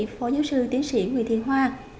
phó giáo sư tiến sĩ nguyễn thị hoa